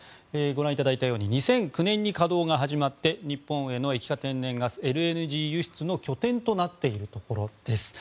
ご覧いただいたように２００９年に稼働が始まって日本への液化天然ガスＬＮＧ輸出の拠点となっているところです。